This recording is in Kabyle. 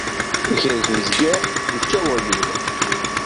Ikrez uzger, ičča uɣyul.